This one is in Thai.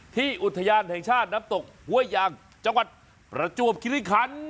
อุทยานแห่งชาติน้ำตกห้วยยางจังหวัดประจวบคิริคัน